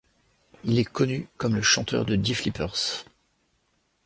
Il est connu comme le chanteur de Die Flippers.